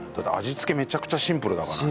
めちゃくちゃシンプルだからね。